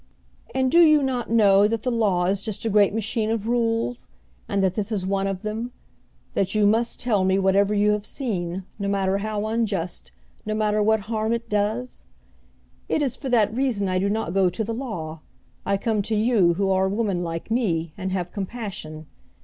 And do you not know that the law is just a great machine of rules, and that this is one of them: that you must tell whatever you have seen, no matter how unjust, no matter what harm it does? It is for that reason I do not go to the law. I come to you, who are a woman like me, and have compassion.